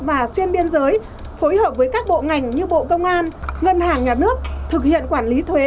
và xuyên biên giới phối hợp với các bộ ngành như bộ công an ngân hàng nhà nước thực hiện quản lý thuế